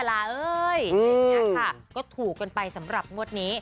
อะไรอย่างนี้ค่ะก็ถูกกันไปสำหรับงวดนี้